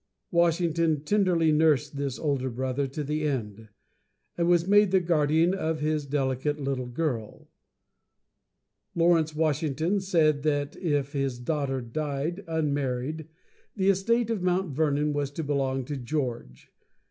Washington tenderly nursed this older brother to the end, and was made the guardian of his delicate little girl. Lawrence Washington said that if his daughter died unmarried, the estate of Mount Vernon was to belong to George.